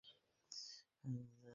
তানি জেগে যাবে!